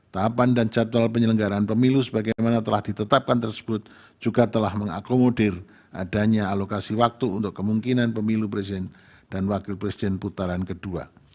tahapan dan jadwal penyelenggaraan pemilu sebagaimana telah ditetapkan tersebut juga telah mengakomodir adanya alokasi waktu untuk kemungkinan pemilu presiden dan wakil presiden putaran kedua